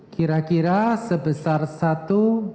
kira kira sebesar satu